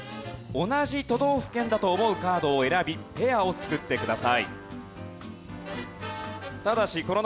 同じ都道府県だと思うカードを選びペアを作ってください。